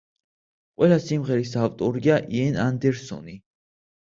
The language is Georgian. ყველა სიმღერის ავტორია იენ ანდერსონი.